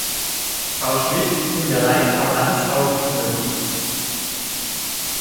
Frau Schmidt: Tut mir leid, aber das ist auch nicht möglich.